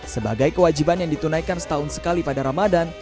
sebagai kewajiban yang ditunaikan setahun sekali pada ramadan